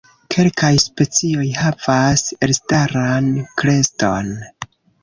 Kelkaj specioj havas elstaran kreston.